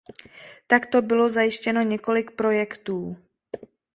Takto bylo zajištěno několik projektů.